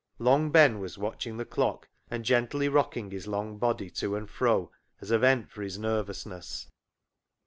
Long Ben was watching the clock and gently rocking his long body to and fro as a vent for his nervousness.